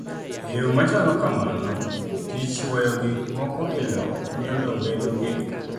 E yo machalo kamano, tij chwoyo gik moko e lowo miyo lowo bedo gi